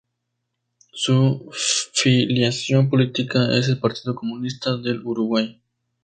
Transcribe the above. Su filiación política es el Partido Comunista del Uruguay.